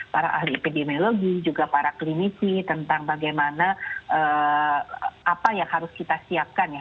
para ahli epidemiologi juga para klinisi tentang bagaimana apa yang harus kita siapkan ya